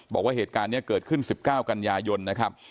บอกว่าเหตุการณ์นี้เกิดขึ้น๑๙กันยายนนะครับ